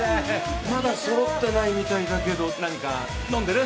まだ揃ってないみたいだけど何か飲んでる？